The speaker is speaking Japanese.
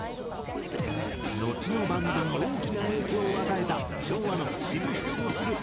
のちのバンドに大きな影響を与えた昭和の知る人ぞ知るブラス・ロックバンド。